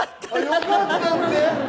「よかった」って？